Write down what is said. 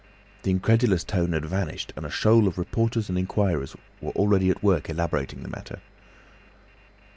The incredulous tone had vanished and a shoal of reporters and inquirers were already at work elaborating the matter.